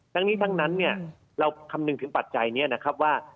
ทั้งนี้ทั้งนั้นเนี่ยเราคำนึงถึงปัจจัยนี้นะครับว่า